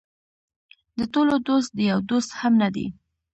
د ټولو دوست د یو دوست هم نه دی.